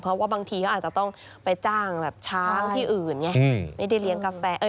เพราะว่าบางทีเค้าอาจจะต้องไปจ้างช้างที่อื่นไง